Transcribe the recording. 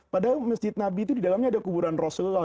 padahal masjid nabi itu di dalamnya ada kuburan rasulullah